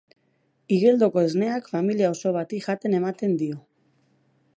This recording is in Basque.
Igeldoko Esneak familia oso bati jaten ematen dio